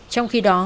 trong khi đó